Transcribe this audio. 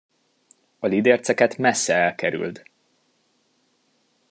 A lidérceket messze elkerüld!